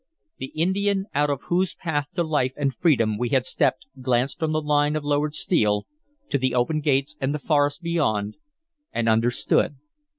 The Indian out of whose path to life and freedom we had stepped glanced from the line of lowered steel to the open gates and the forest beyond, and understood.